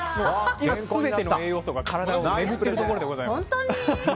全ての栄養素が、体を巡っているところでございます。